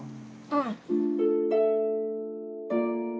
うん。